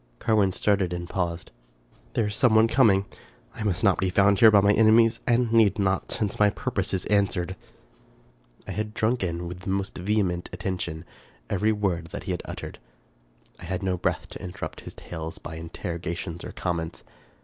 Carwin started and paused. " There is some one coming. I must not be found here by my enemies, and need not, since my purpose is answered." I had drunk in, with the most vehement attention, every word that he had uttered. I had no breath to interrupt his tale by interrogations or comments.